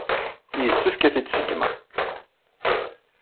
Yessefk ad t-id-ṣeggmeɣ.